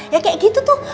ya kayak gitu tuh